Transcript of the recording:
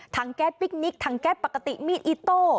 ทั้งแก๊สพิกนิกทั้งแก๊สปกติมีดอิตโต้